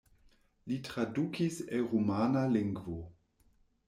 Li tradukis el rumana lingvo.